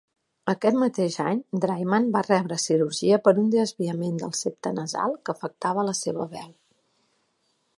Aquest mateix any, Draiman va rebre cirurgia per un desviament del septe nasal que afectava la seva veu.